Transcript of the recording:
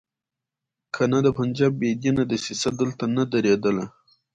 کنه د پنجاب بې دینه دسیسه دلته نه درېدله.